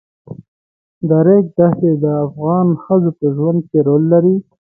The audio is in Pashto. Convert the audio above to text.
د ریګ دښتې د افغان ښځو په ژوند کې رول لري.